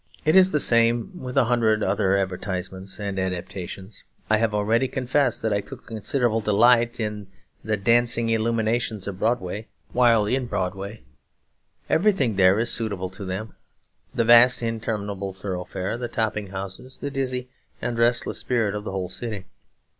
It is the same with a hundred other advertisements and adaptations. I have already confessed that I took a considerable delight in the dancing illuminations of Broadway in Broadway. Everything there is suitable to them, the vast interminable thoroughfare, the toppling houses, the dizzy and restless spirit of the whole city.